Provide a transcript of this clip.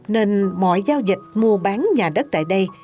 nên mọi giao dịch mua bán nhà đất tại đây